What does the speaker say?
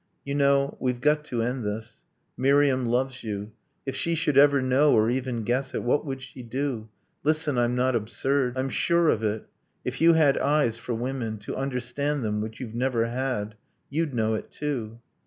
'You know we've got to end this Miriam loves you ... If she should ever know, or even guess it, What would she do? Listen! I'm not absurd ... I'm sure of it. If you had eyes, for women To understand them which you've never had You'd know it too